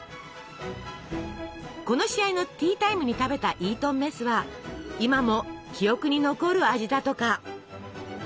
この試合のティータイムに食べたイートンメスは今も記憶に残る味だとか。